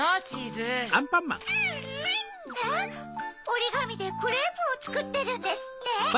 おりがみでクレープをつくってるんですって。